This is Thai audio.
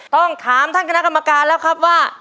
ต้องถามท่านคณะกรรมการแล้วครับว่า